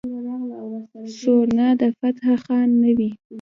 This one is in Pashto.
سورنا د فتح خان نه وي.